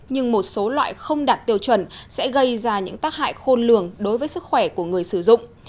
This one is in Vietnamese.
nhưng một số loại không đạt tiêu chuẩn sẽ gây ra những tác hại khôn lường đối với sức khỏe của người sử dụng